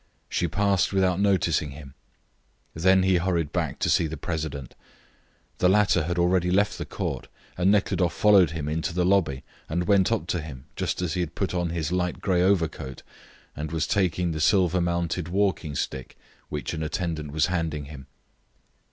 She passed without noticing him. Then he hurried back to see the president. The latter had already left the court, and Nekhludoff followed him into the lobby and went up to him just as he had put on his light grey overcoat and was taking the silver mounted walking stick which an attendant was handing him.